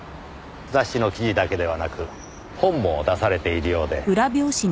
雑誌の記事だけではなく本も出されているようで。